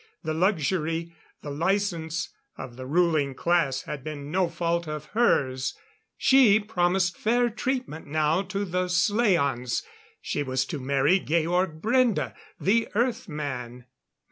The luxury the license of the ruling class had been no fault of hers. She promised fair treatment now to the slaans. She was to marry Georg Brende, the Earth man.